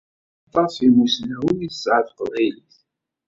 Aṭas n imussnawen i tesɛa teqbaylit.